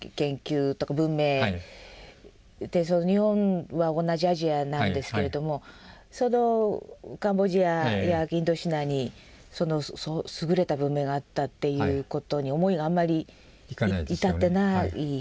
日本は同じアジアなんですけれどもそのカンボジアやインドシナに優れた文明があったっていうことに思いがあんまり至ってない。